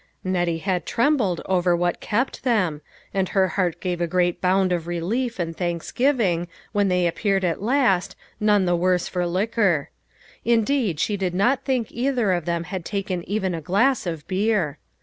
Nettie had trembled over what kept them, and her heart gave a great bound of relief and thanksgiving, when they appeared at last, none the worse for liquor. Indeed, she did not think either of them had taken even a glass of beer.